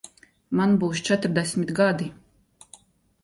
Man būs četrdesmit gadi.